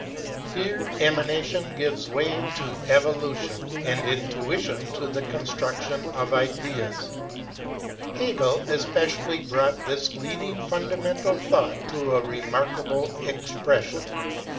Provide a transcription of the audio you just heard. Here emanation gives way to evolution, and intuition to the construction of ideas. Hegel especially brought this leading funda SPECULATIVE PHILOSOPHY 49 mental Thought to a remarkable expression.